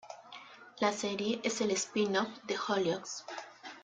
La serie es el spin-off de "Hollyoaks".